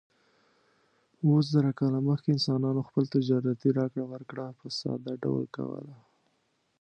اووه زره کاله مخکې انسانانو خپل تجارتي راکړه ورکړه په ساده ډول کوله.